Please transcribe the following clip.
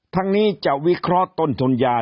ทั้งนี้จะวิเคราะห์ต้นทุนยา